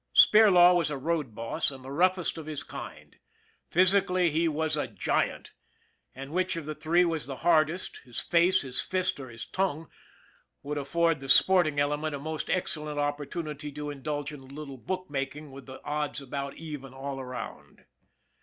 Spirlaw was a road boss, and the roughest of his kind. Physically he was a giant; and which of the three was the hardest, his face, his fist, or his tongue, would afford the sporting element a most excellent opportunity to indulge in a little book making with the odds about even all round.